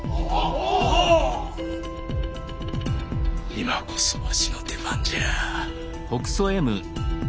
今こそわしの出番じゃ。